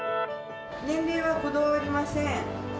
年齢はこだわりません。